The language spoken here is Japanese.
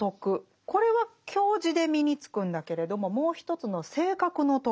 これは教示で身につくんだけれどももう一つの「性格の徳」